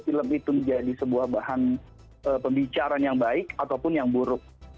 film itu menjadi sebuah bahan pembicaraan yang baik ataupun yang buruk